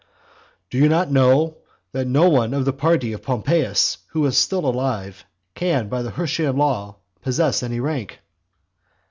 XVI. "[Do you not know] that no one of the party of Pompeius, who is still alive, can, by the Hirtian law, possess any rank?"